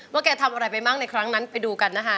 แกทำอะไรไปบ้างในครั้งนั้นไปดูกันนะคะ